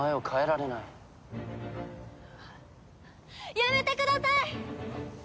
やめてください！